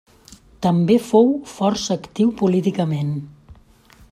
També fou força actiu políticament.